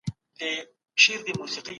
ولي ځيني هیوادونه صادرات نه مني؟